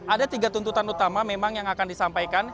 ada tiga tuntutan utama memang yang akan disampaikan